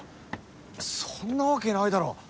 そんなわけないだろ！